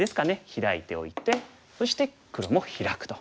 ヒラいておいてそして黒もヒラくと。